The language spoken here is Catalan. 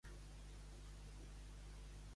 Cau una bomba a la casa d'en Maurice?